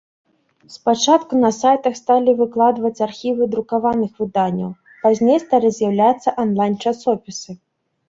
Спачатку на сайтах сталі выкладваць архівы друкаваных выданняў, пазней сталі з'яўляцца анлайн-часопісы.